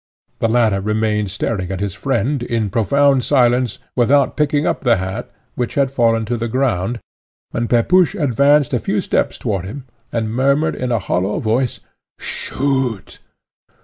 The latter remained staring at his friend, in profound silence, without picking up the hat, which had fallen to the ground, when Pepusch advanced a few steps towards him, and murmured in a hollow voice, "shoot!"